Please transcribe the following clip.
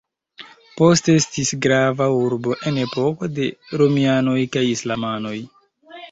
Poste estis grava urbo en epoko de romianoj kaj islamanoj.